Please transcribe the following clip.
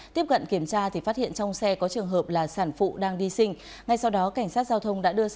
tiếp cận kiểm tra thì phát hiện trong xe có trường hợp là sản phụ đang đi sinh